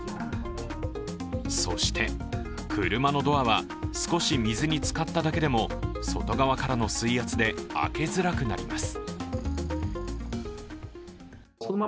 そして、車のドアは少し水につかっただけでも外側からの水圧であけづらくなります。